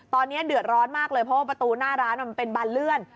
ตอนนี้เดือดร้อนมากเลยเพราะว่าประตูหน้าร้านมันเป็นบานเลื่อน